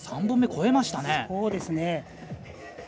３本目越えましたね。